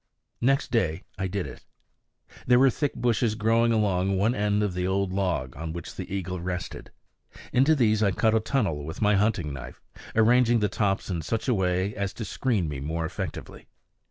Next day I did it. There were thick bushes growing along one end of the old log on which the eagle rested. Into these I cut a tunnel with my hunting knife, arranging the tops in such a way as to screen me more effectively.